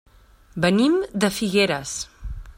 Venim de Figueres.